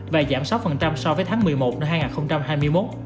và giảm sáu so với tháng một mươi một năm hai nghìn hai mươi một